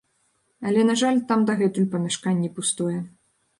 Але на жаль, там дагэтуль памяшканне пустое.